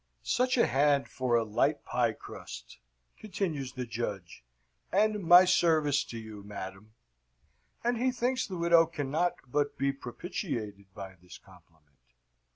"Such a hand for a light pie crust," continues the Judge, "and my service to you, madam." And he thinks the widow cannot but be propitiated by this compliment.